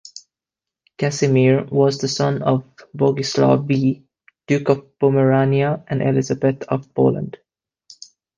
Casimir was the son of Bogislaw V, Duke of Pomerania and Elizabeth of Poland.